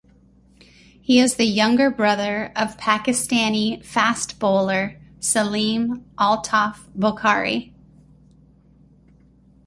He is the younger brother of Pakistani fast bowler Saleem Altaf Bokhari.